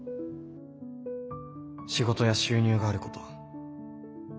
仕事や収入があること。